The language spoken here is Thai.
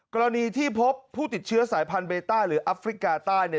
กรณีที่พบผู้ติดเชื้อสายพันธุเบต้าหรืออัฟริกาใต้